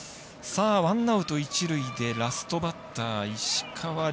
ワンアウト、一塁でラストバッター石川亮。